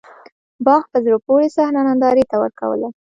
باغ په زړه پورې صحنه نندارې ته ورکوّله.